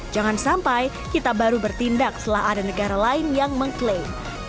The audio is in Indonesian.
jangan sampai kita baru bertindak setelah ada negara lain yang mengklaim